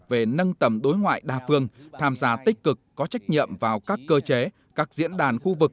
về nâng tầm đối ngoại đa phương tham gia tích cực có trách nhiệm vào các cơ chế các diễn đàn khu vực